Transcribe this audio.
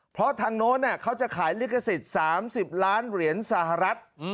เพราะทางโน้นเขาจะขายลิขสิทธิ์๓๐ล้านเหรียญสหรัฐ